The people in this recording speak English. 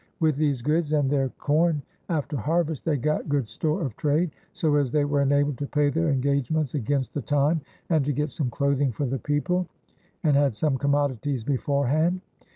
With these goods, and their corne after harvest they gott good store of trade, so as they were enabled to pay their ingagements against the time, and to get some cloathing for the people, and had some comodities beforehand."